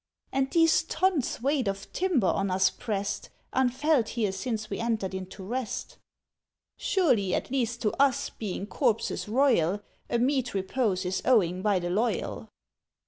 "And these tons weight of timber on us pressed, Unfelt here since we entered into rest? "Surely, at least to us, being corpses royal, A meet repose is owing by the loyal?"